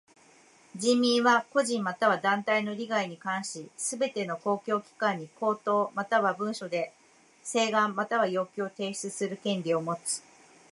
人民は個人または団体の利害に関しすべての公共機関に口頭または文書で請願または要求を提出する権利をもつ。